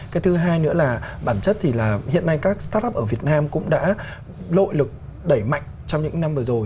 cái thứ hai nữa là bản chất thì là hiện nay các start up ở việt nam cũng đã lội lực đẩy mạnh trong những năm vừa rồi